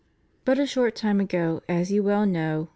But a short time ago, as you weU know.